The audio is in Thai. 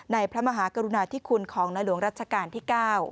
พระมหากรุณาธิคุณของในหลวงรัชกาลที่๙